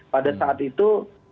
pada saat itu